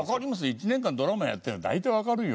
１年間ドラマやってりゃ大体わかるよ。